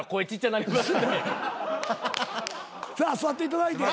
さあ座っていただいて。